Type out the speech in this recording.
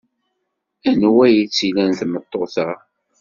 Anwa ay tt-ilan tmeṭṭut-a?